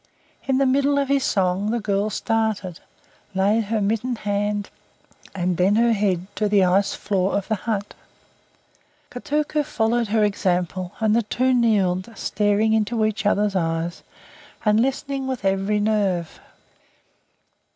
In the middle of his song the girl started, laid her mittened hand and then her head to the ice floor of the hut. Kotuko followed her example, and the two kneeled, staring into each other's eyes, and listening with every nerve.